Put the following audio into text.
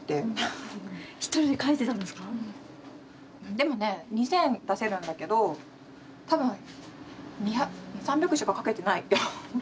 でもね２，０００出せるんだけど多分２００３００しか書けてないって。